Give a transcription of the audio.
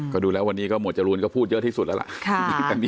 ก็ดูแล้ววันนี้ก็หวดจรูนก็พูดเยอะที่สุดแล้วล่ะ